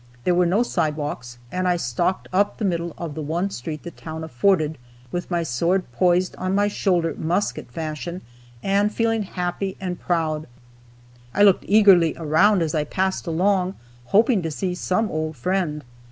There were no sidewalks, and I stalked up the middle of the one street the town afforded, with my sword poised on my shoulder, musket fashion, and feeling happy and proud. I looked eagerly around as I passed along, hoping to see some old friend.